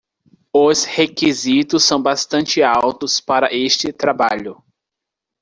Os requisitos são bastante altos para este trabalho.